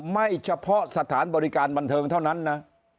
ไม่เฉพาะสถานบริการบันเทิงเท่านั้นนะ